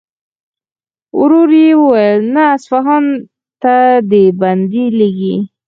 ورو يې وويل: نه! اصفهان ته دې بندې لېږي.